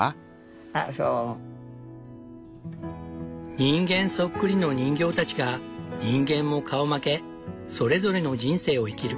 人間そっくりの人形たちが人間も顔負けそれぞれの人生を生きる。